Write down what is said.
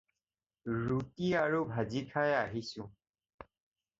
ৰুটী আৰু ভাজি খাই আহিছোঁ।